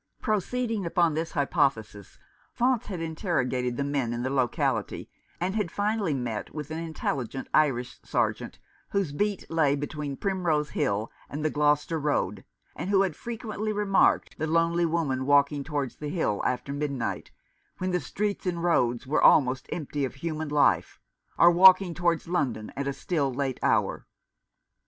Proceeding upon this hypothesis, Faunce had interrogated the men in the locality, and had finally met with an intelligent Irish Sergeant whose beat lay between Primrose Hill and the Gloucester Road, and who had frequently remarked the lonely woman walking towards the hill after midnight, when the streets and roads were almost empty of human life, or walking towards London at a still later hour.